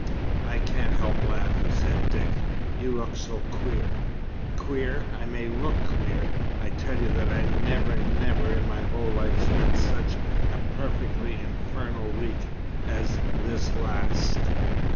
"I can't help laughing," said Dick; "you do look so queer!" "Queer! I may well look queer. I tell you that I have never, never in my whole life, spent such a perfectly infernal week as this last!"